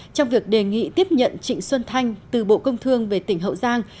trong việc đề nghị tiếp nhận trịnh xuân thanh từ bộ công thương về tỉnh hậu giang